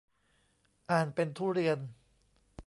อ่านเป็น ทุเรียน